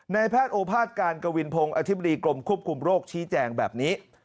แพทย์โอภาษการกวินพงศ์อธิบดีกรมควบคุมโรคชี้แจงแบบนี้